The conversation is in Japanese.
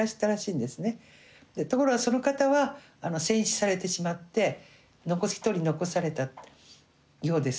ところがその方は戦死されてしまって一人残されたようです。